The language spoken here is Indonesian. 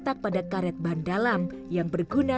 tempe kan tanaharam yang makna